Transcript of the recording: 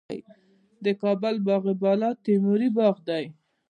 د کابل باغ بالا تیموري باغ دی